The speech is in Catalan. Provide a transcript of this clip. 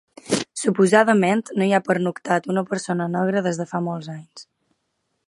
Suposadament no hi ha pernoctat una persona negra des de fa molts anys.